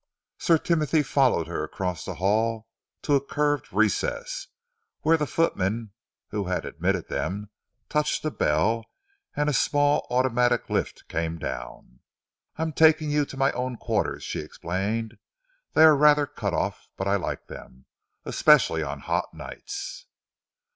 Sir Timothy followed her across the hall to a curved recess, where the footman who had admitted them touched a bell, and a small automatic lift came down. "I am taking you to my own quarters," she explained. "They are rather cut off but I like them especially on hot nights."